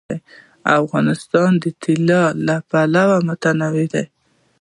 افغانستان د طلا له پلوه متنوع دی.